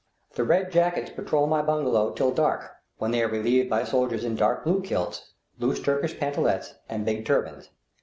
The red jackets patrol my bungalow till dark, when they are relieved by soldiers in dark blue kilts, loose Turkish pantalettes, and big turbans.